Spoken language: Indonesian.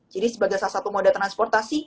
jadi sebagai salah satu moda transport